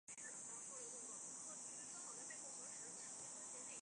胰管是将胰脏外分泌腺的分泌物。